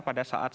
pada saat itu